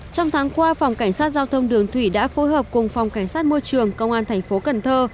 trong tháng qua phòng cảnh sát giao thông đường thủy đã phối hợp cùng phòng cảnh sát môi trường công an thành phố cần thơ